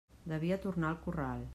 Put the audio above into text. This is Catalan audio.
Devia tornar al corral.